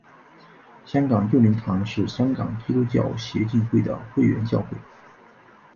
香港佑宁堂是香港基督教协进会的会员教会。